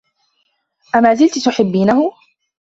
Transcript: أمازلتِ تُحبّينه؟